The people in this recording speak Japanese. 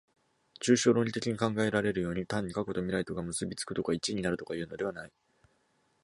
抽象論理的に考えられるように、単に過去と未来とが結び附くとか一になるとかいうのではない。